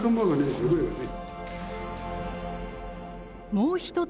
もう一つ